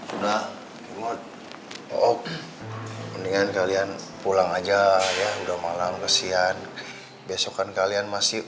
udah udah mendingan kalian pulang aja ya udah malam kesian besok kan kalian masih